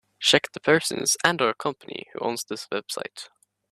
Check the person and/or company who owns this website.